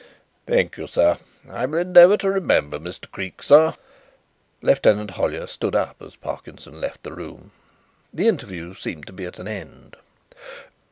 "Thank you, sir. I will endeavour to remember Mr. Creake, sir." Lieutenant Hollyer stood up as Parkinson left the room. The interview seemed to be at an end.